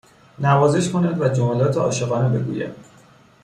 نوازش کند و جملات عاشقانه بگوید